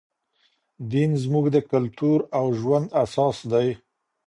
دین زموږ د کلتور او ژوند اساس دی.